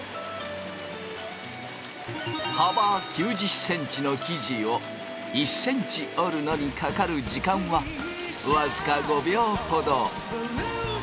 幅９０ｃｍの生地を１ｃｍ織るのにかかる時間は僅か５秒ほど。